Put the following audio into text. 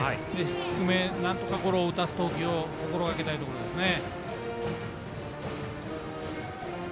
低め、なんとかゴロを打たす投球を心がけたいですね。